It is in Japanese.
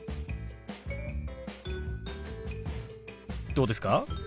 どうですか？